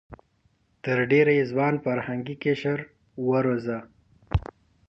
تر ډېره یې ځوان فرهنګي قشر وروزه.